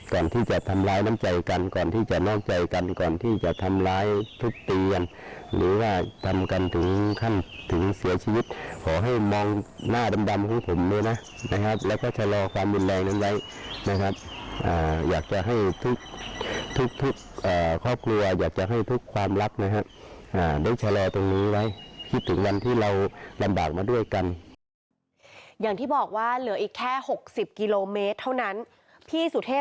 ก่อนที่จะทำร้ายน้ำใจกันก่อนที่จะนอกใจกันก่อนที่จะทำร้ายทุบตีกันหรือว่าทำกันถึงขั้นถึงเสียชีวิตขอให้มองหน้าดำของผมด้วยนะนะครับแล้วก็ชะลอความรุนแรงนั้นไว้นะครับอยากจะให้ทุกทุกครอบครัวอยากจะให้ทุกความรักนะฮะได้ชะลอตรงนี้ไว้คิดถึงวันที่เราลำบากมาด้วยกันอย่างที่บอกว่าเหลืออีกแค่หกสิบกิโลเมตรเท่านั้นพี่สุเทพ